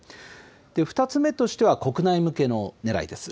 ２つ目としては国内向けのねらいです。